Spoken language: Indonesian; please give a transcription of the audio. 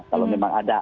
kalau memang ada